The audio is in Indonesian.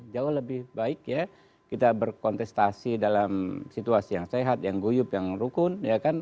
jauh lebih baik ya kita berkontestasi dalam situasi yang sehat yang guyup yang rukun